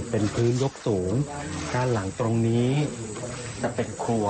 เป็นพื้นยกสูงด้านหลังตรงนี้จะเป็นครัว